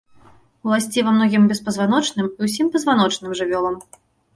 Уласціва многім беспазваночным і ўсім пазваночным жывёлам.